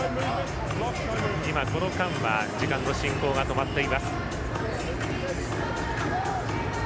この間は時間の進行が止まっています。